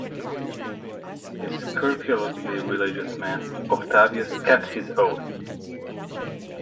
A scrupulously religious man, Octavius kept his oath.